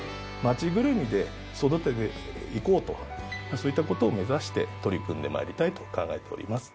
そういった事を目指して取り組んで参りたいと考えております。